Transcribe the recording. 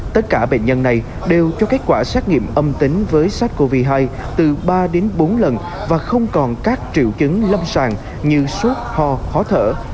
tất cả bệnh nhân này đều cho kết quả xét nghiệm âm tính với sars cov hai từ ba đến bốn lần và không còn các triệu chứng lâm sàng như sốt ho khó thở